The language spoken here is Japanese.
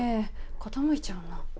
傾いちゃうな。